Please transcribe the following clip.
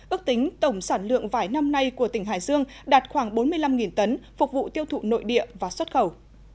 ước tính tổng sản lượng vải năm nay của tỉnh hải dương đạt khoảng bốn mươi năm tấn phục vụ tiêu thụ nội địa và xuất khẩu